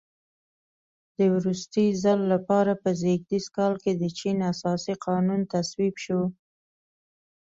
د وروستي ځل لپاره په زېږدیز کال کې د چین اساسي قانون تصویب شو.